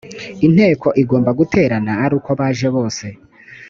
inteko igomba guterana ari uko baje bose